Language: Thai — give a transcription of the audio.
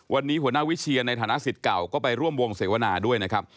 วันนี้หัวหน้าวิเชียนในฐานะสิทธิ์เก่าก็ไปร่วมวงเสวนาด้วยนะครับ